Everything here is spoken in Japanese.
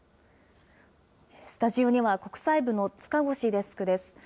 スタジオには、国際部の塚越デスクです。